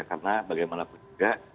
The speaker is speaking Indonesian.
karena bagaimana juga